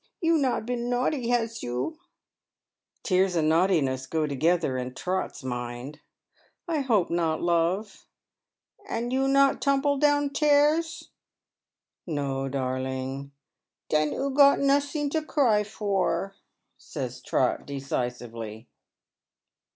You not been naughty, has you ?" Tears and naughtiness go together in Trot's mind. " I hope not, love." " And you not tumbled down 'tans." *' No, darling." *' Den 00 got nosing to cry for," says Trot, decisively.